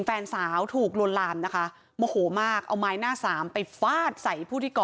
แฟนสาวถูกลวนลามนะคะโมโหมากเอาไม้หน้าสามไปฟาดใส่ผู้ที่ก่อ